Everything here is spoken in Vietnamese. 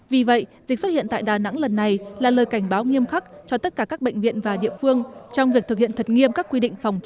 vì vậy dịch xuất hiện tại đà nẵng lần này là lời cảnh báo nghiêm khắc cho tất cả các bệnh viện và địa phương